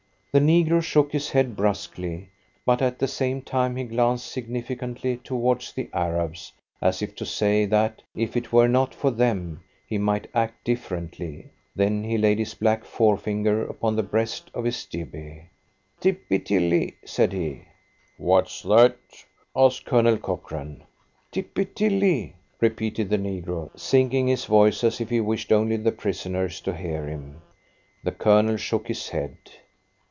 The negro shook his head brusquely, but at the same time he glanced significantly towards the Arabs, as if to say that, if it were not for them, he might act differently. Then he laid his black forefinger upon the breast of his jibbeh. "Tippy Tilly," said he. "What's that?" asked Colonel Cochrane. "Tippy Tilly," repeated the negro, sinking his voice as if he wished only the prisoners to hear him. The Colonel shook his head.